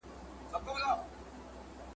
خو ستا صبر هرګز نه دی د ستایلو `